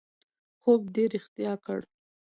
خوب دې رښتیا کړ